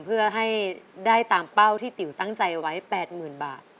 เพื่อให้ได้ตามเป้าที่ติ๋วตั้งใจไว้๘๐๐๐บาท